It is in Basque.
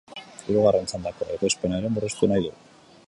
Hirugarren txandako ekoizpena ere murriztu nahi du.